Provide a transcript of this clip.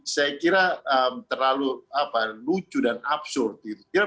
saya kira terlalu lucu dan absurd gitu